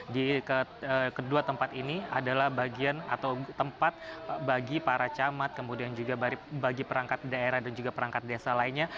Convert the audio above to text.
di kedua tempat ini adalah bagian atau tempat bagi para camat kemudian juga bagi perangkat daerah dan juga perangkat desa lainnya